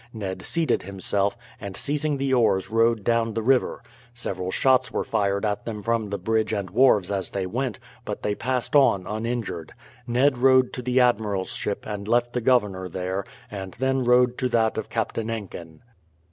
Ned seated himself, and seizing the oars rowed down the river. Several shots were fired at them from the bridge and wharves as they went, but they passed on uninjured. Ned rowed to the admiral's ship and left the governor there, and then rowed to that of Captain Enkin.